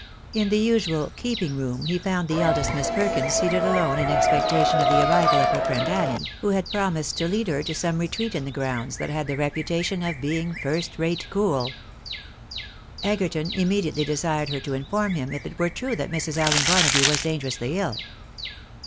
In the usual keeping voom he found the eldest Miss Perkins seated alone in expectation of the arrival of her friend Annie, who had promised to lead her to some retreat in the grounds that had ithe reputation of being first rate cool. 212 THE BARNABYS IN AMERICA. Egerton immediately desired her to inform him if it were true that Mrs. Allen Barnaby was dangerously ill.